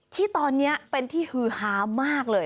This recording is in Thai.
ที่ตอนนี้เป็นที่ฮือฮามากเลย